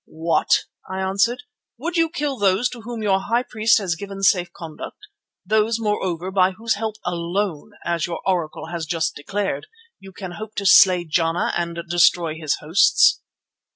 "What!" I answered. "Would you kill those to whom your high priest has given safe conduct; those moreover by whose help alone, as your Oracle has just declared, you can hope to slay Jana and destroy his hosts?"